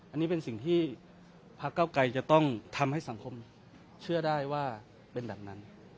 อันนี้เป็นสิ่งที่พระเก้าไกรจะต้องทำให้สังคมเชื่อได้ว่าเป็นแบบนั้น